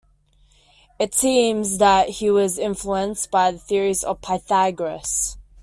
It seems that he was influenced by the theories of Pythagoras.